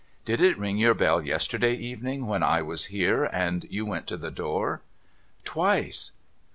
' Did it ring your bell yesterday evening when I was here, and you went to the door ?'' Twice.'